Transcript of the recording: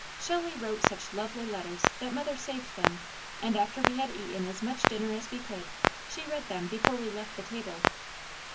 Shelley wrote such lovely letters that mother saved them and after we had eaten as much dinner as we could, she read them before we left the table.